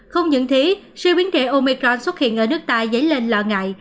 không những thế siêu biến thể omicron xuất hiện ở nước ta dấy lên lợi ngại